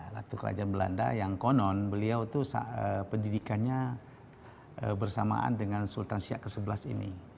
ratu kerajaan belanda yang konon beliau itu pendidikannya bersamaan dengan sultan siak ke sebelas ini